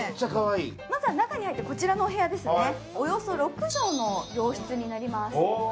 まずは中に入って、こちらのお部屋ですね、およそ６畳の洋室になります。